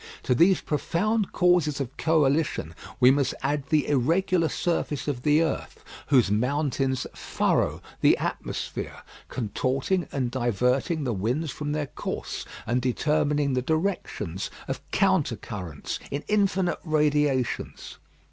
To these profound causes of coalition we must add the irregular surface of the earth, whose mountains furrow the atmosphere, contorting and diverting the winds from their course, and determining the directions of counter currents in infinite radiations.